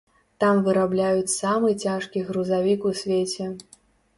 Там вырабляюць самы цяжкі грузавік у свеце.